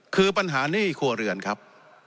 คือปัญหาหนี้ครัวเรือนครับ